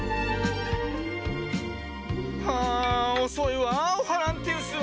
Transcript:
はあおそいわオハランティウス。